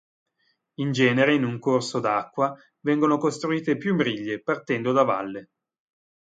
In genere in un corso d'acqua, vengono costruite più briglie, partendo da valle.